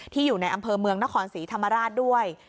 อยู่ในอำเภอเมืองนครศรีธรรมราชด้วย